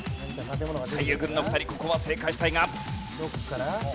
俳優軍の２人ここは正解したいが。